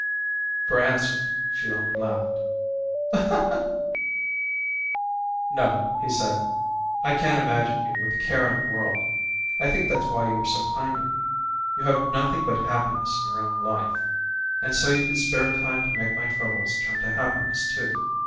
For answer she only laughed. "No," he said; "I can't imagine you with a care in the world. I think that's why you were so kind to me you have nothing but happiness in your own life, and so you could spare time to make my troubles turn to happiness, too.